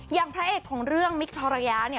อย่างพระเอกของเรื่องมิคทรยาเนี่ย